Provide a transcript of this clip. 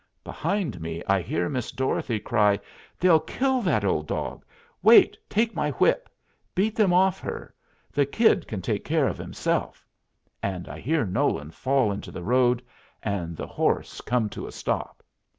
Behind me I hear Miss Dorothy cry: "They'll kill that old dog. Wait, take my whip. Beat them off her! The Kid can take care of himself"; and I hear Nolan fall into the road, and the horse come to a stop.